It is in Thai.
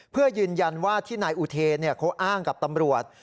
เพื่อยืนยันว่าที่นายอุเทนเขาอ้างกับตำรวจ